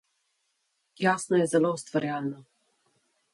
Jasna je zelo ustvarjalna.